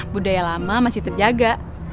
budaya lama masih terjaga